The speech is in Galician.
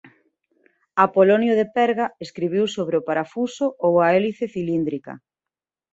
Apolonio de Perga escribiu sobre o parafuso ou a hélice cilíndrica.